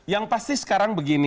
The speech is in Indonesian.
yang pasti sekarang begini